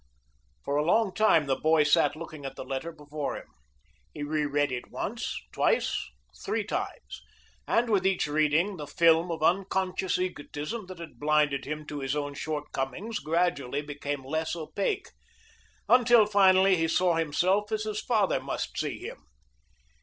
For a long time the boy sat looking at the letter before him. He reread it once, twice, three times, and with each reading the film of unconscious egotism that had blinded him to his own shortcomings gradually became less opaque, until finally he saw himself as his father must see him.